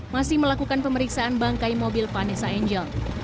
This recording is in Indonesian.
masih melakukan pemeriksaan bangkai mobil vanessa angel